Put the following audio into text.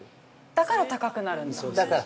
◆だから高くなるんですか。